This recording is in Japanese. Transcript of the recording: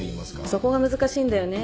そこが難しいんだよね。